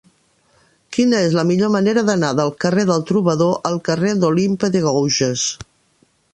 Quina és la millor manera d'anar del carrer del Trobador al carrer d'Olympe de Gouges?